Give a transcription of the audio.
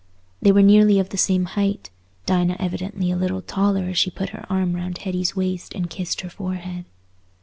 They were nearly of the same height; Dinah evidently a little the taller as she put her arm round Hetty's waist and kissed her forehead.